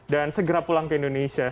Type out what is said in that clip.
dan segera pulang ke indonesia